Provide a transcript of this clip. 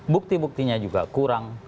bukti buktinya juga kurang